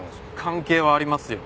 関係はありますよ。